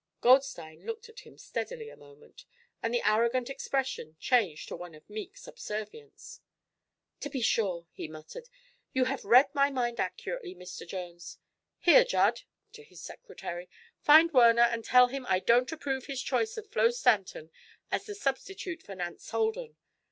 Goldstein looked at him steadily a moment and the arrogant expression changed to one of meek subservience. "To be sure!" he muttered. "You have read my mind accurately, Mr. Jones. Here, Judd," to his secretary, "find Werner and tell him I don't approve his choice of Flo Stanton as a substitute for Nance Holden.